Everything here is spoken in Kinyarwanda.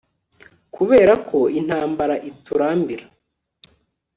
Kubera ko intambara iturambira